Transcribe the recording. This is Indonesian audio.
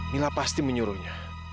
mila pasti menyuruhnya